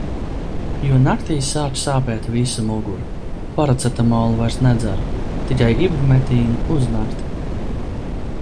Jo naktī sāk sāpēt visa mugura. Paracetamolu vairs nedzeru, tikai Ibumetīnu uz nakti.